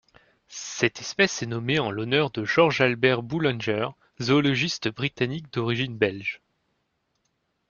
Cette espèce est nommée en l'honneur de George Albert Boulenger, zoologiste britannique d'origine belge.